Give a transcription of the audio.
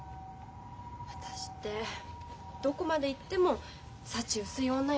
私ってどこまでいっても幸薄い女よね。